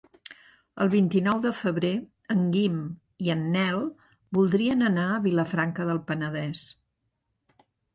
El vint-i-nou de febrer en Guim i en Nel voldrien anar a Vilafranca del Penedès.